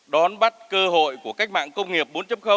đón bắt cơ hội của cách mạng công nghiệp bốn